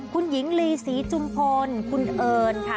คุณหญิงลีศรีจุมพลคุณเอิญค่ะ